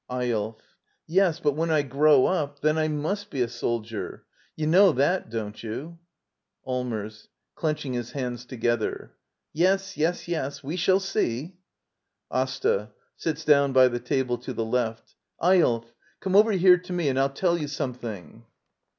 ^^YOLF. Yes ; but when I grow up, then I must ^ ^e a soldier. You know that, don't you? Allmers. [Clenching his hands together.] Yes, yes, yes; we shall see — AsTA. [Sits down by the table to the left.] Eyolf! Come over here to me and FU tell you something.